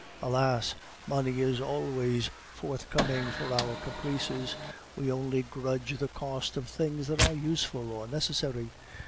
Alas! money is always forthcoming for our caprices; we only grudge the cost of things that are useful or necessary.